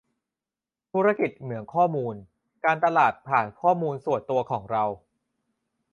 ธุรกิจเหมืองข้อมูล : การตลาดผ่านข้อมูลส่วนตัวของเรา